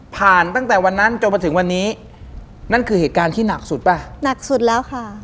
ตั้งแต่วันนั้นจนมาถึงวันนี้นั่นคือเหตุการณ์ที่หนักสุดป่ะหนักสุดแล้วค่ะ